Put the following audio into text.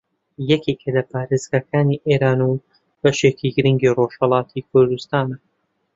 یەکێک لە پارێزگاکانی ئێران و بەشێکی گرینگی ڕۆژھەڵاتی کوردستانە